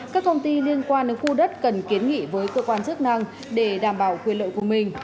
các công ty liên quan đến khu đất cần kiến nghị với cơ quan chức năng để đảm bảo quyền lợi của mình